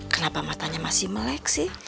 kenapa matanya masih melek sih